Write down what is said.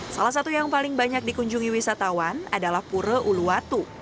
salah satu yang paling banyak dikunjungi wisatawan adalah pura uluwatu